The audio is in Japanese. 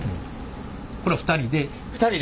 これ２人で？